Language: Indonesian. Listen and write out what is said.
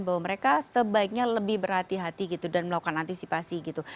bahwa mereka sebaiknya lebih berhati hati gitu dan melakukan antisipasi gitu